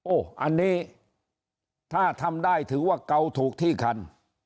อันนี้ถ้าทำได้ถือว่าเกาถูกที่คัน